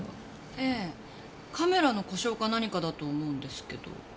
ええカメラの故障か何かだと思うんですけど。